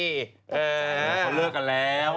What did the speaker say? เขาเลิกกันแล้ว